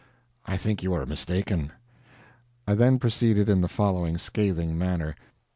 "I think you are mistaken." I then proceeded in the following scathing manner.